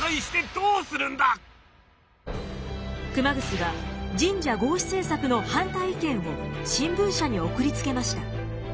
熊楠は神社合祀政策の反対意見を新聞社に送りつけました。